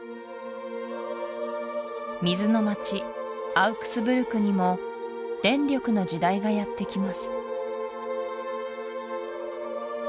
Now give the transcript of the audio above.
アウクスブルクにも電力の時代がやってきます